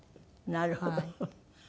なるほど。